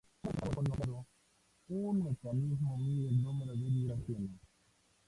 Una vez alcanzado el tono deseado, un mecanismo mide el número de vibraciones.